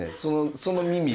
その耳。